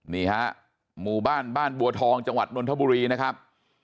นี่ฮะหมู่บ้านบ้านบัวทองจังหวัดนทบุรีนะครับ